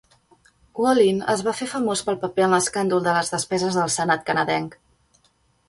Wallin es va fer famós pel paper en l'escàndol de les despeses del Senat canadenc.